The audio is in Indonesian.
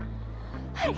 kalo sampe rumah tau gimana